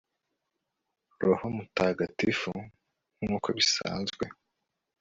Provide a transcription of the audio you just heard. roho mutagatifu ; nk'uko bisanzwe